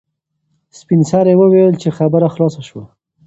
سپین سرې وویل چې خبره خلاصه شوه.